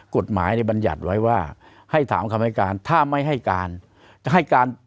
กฎหมายในบรรยัติไว้ว่าให้ถามคำให้การถ้าไม่ให้การจะให้การ